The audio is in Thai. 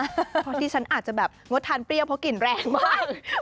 เพราะที่ฉันอาจจะแบบงดทานเปรี้ยวเพราะกลิ่นแรงมาก